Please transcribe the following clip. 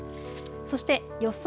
そして予想